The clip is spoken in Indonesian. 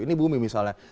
ini bumi misalnya